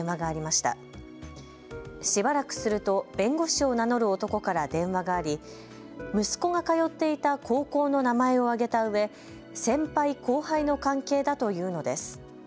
しばらくすると、弁護士を名乗る男から電話があり息子が通っていた高校の名前を挙げたうえ、先輩・後輩の関係だというのです。